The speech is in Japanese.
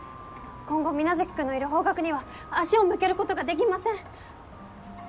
今後皆月君のいる方角には足を向けることができません。